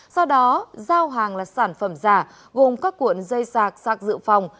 sau đó giao hàng là sản phẩm giả gồm các cuộn dây sạc sạc dự phòng